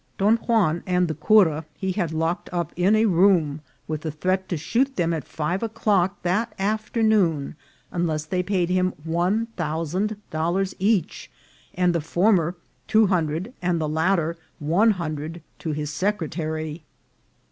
Don Juan and the cura he had locked up in a room with the threat to shoot them at five o'clock that afternoon unless they paid him one thousand dollars each, and the former two hundred, and the latter one hundred to his secretary.